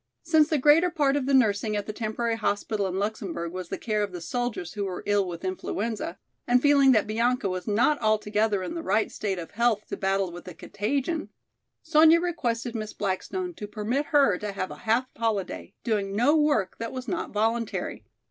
Since the greater part of the nursing at the temporary hospital in Luxemburg was the care of the soldiers who were ill with influenza, and feeling that Bianca was not altogether in the right state of health to battle with the contagion, Sonya requested Miss Blackstone to permit her to have a half holiday, doing no work that was not voluntary.